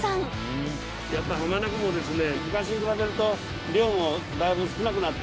やっぱ浜名湖もですね